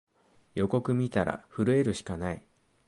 予告みたら震えるしかない